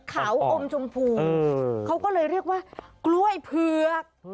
เขาอมชมพูเขาก็เลยเรียกว่ากล้วยเผือก